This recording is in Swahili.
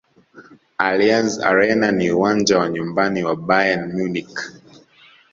allianz arena ni uwanja wa nyumbani wa bayern munich